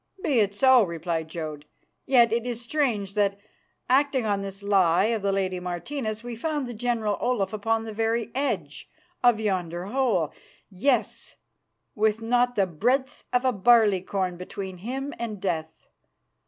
"Be it so," replied Jodd. "Yet it is strange that, acting on this lie of the lady Martina's, we found the General Olaf upon the very edge of yonder hole; yes, with not the breadth of a barleycorn between him and death.